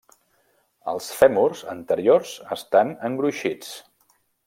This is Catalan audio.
Els fèmurs anteriors estan engruixits.